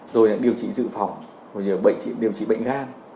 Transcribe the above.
rồi là điều trị dự phòng điều trị bệnh gan